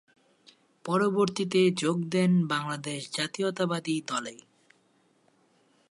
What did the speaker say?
পরবর্তীতে যোগ দেন বাংলাদেশ জাতীয়তাবাদী দলে।